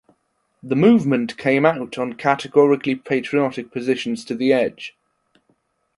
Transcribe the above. The movement came out on categorically patriotic positions to the edge.